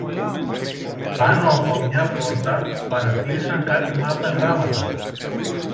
Πάνω από μια πόρτα παρατήρησαν κάτι μαύρα γράμματα.